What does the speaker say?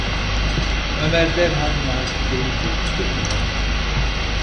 Ömer derhal Macide’yi dürttü: